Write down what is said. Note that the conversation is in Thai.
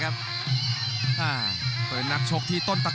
กรุงฝาพัดจินด้า